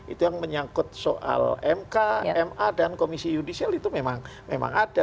itu yang menyangkut soal mk ma dan komisi yudisial itu memang ada